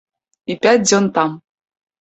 І пяць дзён там.